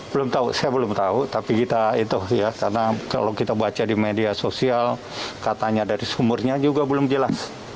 belum tahu saya belum tahu tapi kita itu ya karena kalau kita baca di media sosial katanya dari sumurnya juga belum jelas